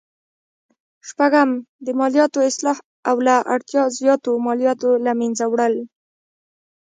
شپږم: د مالیاتو اصلاح او له اړتیا زیاتو مالیاتو له مینځه وړل.